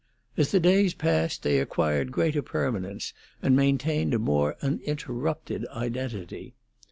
As the days passed they acquired greater permanence and maintained a more uninterrupted identity.